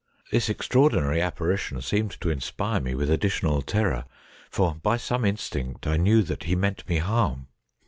This extraordinary apparition seemed to inspire me with additional terror, for by some strange instinct I knew that he meant me harm.